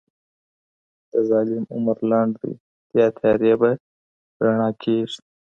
د ظالم عمر لنډی دی دا تیارې به رڼا کیږي